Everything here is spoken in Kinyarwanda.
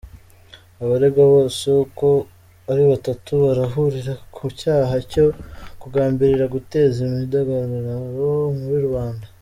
Abaregwa bose uko ari batatu barahurira ku cyaha cyo kugambirira guteza imidugararo muri rubanda.